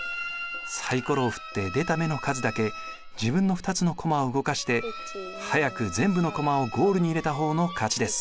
サイコロを振って出た目の数だけ自分の２つの駒を動かして早く全部の駒をゴールに入れた方の勝ちです。